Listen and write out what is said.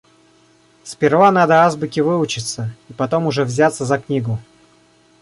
Сперва надо азбуке выучиться и потом уже взяться за книгу.